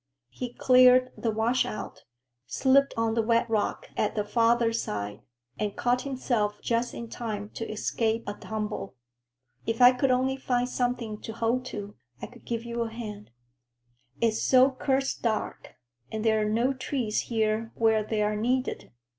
He cleared the washout, slipped on the wet rock at the farther side, and caught himself just in time to escape a tumble. "If I could only find something to hold to, I could give you a hand. It's so cursed dark, and there are no trees here where they're needed.